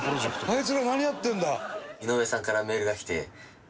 あいつら何やってるんだ？